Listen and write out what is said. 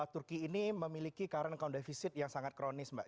turki ini memiliki current account deficit yang sangat kronis mbak